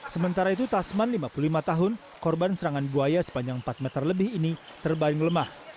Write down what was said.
sementara itu tasman lima puluh lima tahun korban serangan buaya sepanjang empat meter lebih ini terbaring lemah